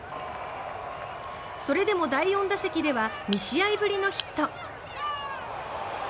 それでも第４打席では２試合ぶりのヒット。